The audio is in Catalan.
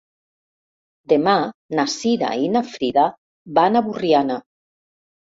Demà na Cira i na Frida van a Borriana.